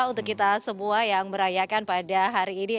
untuk kita semua yang merayakan pada hari ini